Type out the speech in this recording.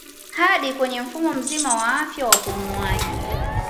Hadi kwenye mfumo mzima wa afya wa upumuaji